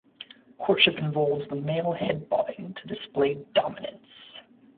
Courtship involves the male "head bobbing" to display dominance.